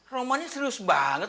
romannya serius banget